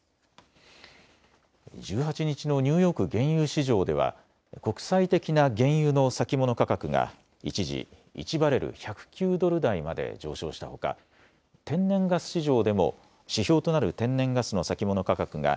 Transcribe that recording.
１８日のニューヨーク原油市場では国際的な原油の先物価格が一時、１バレル１０９ドル台まで上昇したほか天然ガス市場でも指標となる天然ガスの先物価格が